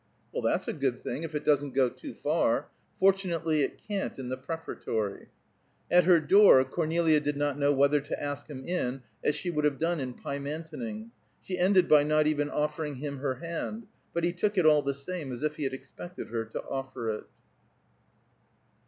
"Well, that's a good thing, if it doesn't go too far. Fortunately it can't, in the Preparatory." At her door Cornelia did not know whether to ask him in, as she would have done in Pymantoning; she ended by not even offering him her hand; but he took it all the same, as if he had expected her to offer it.